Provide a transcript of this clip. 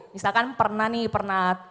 misalkan pernah nih